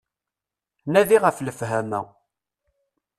Nadi ɣef lefhama.